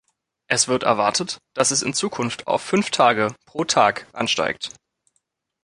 Es wird erwartet, dass es in Zukunft auf fünf Tage pro Tag ansteigt.